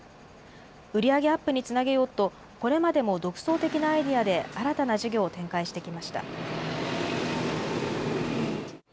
売り上げアップにつなげようと、これまでも独創的なアイデアで新たな事業を展開してきました。